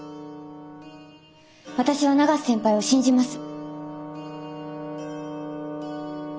私は永瀬先輩を信じます。